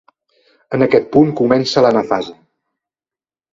En aquest punt comença l'anafase.